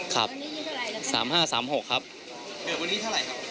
ครับสามห้าสามหกครับเกิดวันนี้เท่าไหร่ครับ